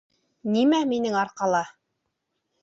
Нимә минең арҡала?